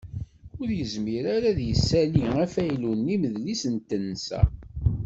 Ur yezmir ara ad d-yessali afaylu n imedlis n tensa.